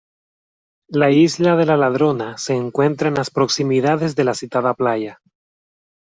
La Isla de la Ladrona se encuentra en las proximidades de la citada playa.